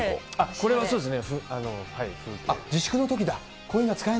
これはそうですね。